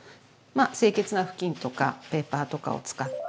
清潔な布巾とかペーパーとかを使って拭き取って。